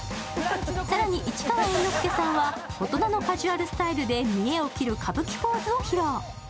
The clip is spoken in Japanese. さらに市川猿之助さんは大人のカジュアルスタイルで見得を切る歌舞伎ポーズを披露。